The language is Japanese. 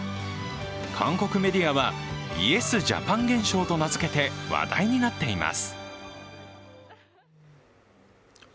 韓国メディアは、イエスジャパン現象と名付けて話題になっています。